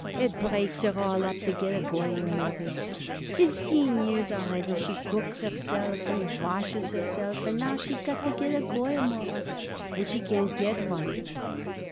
It breaks her all up to get a girl, Mawruss. Fifteen years already she cooks herself and washes herself, and now she's got to get a girl, Mawruss, but she can't get one."